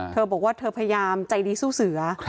เธอบอกว่าเธอพยายามใจดีสู้เสือ